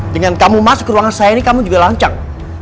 dengan kamu masuk ruangan saya ini kamu juga lancar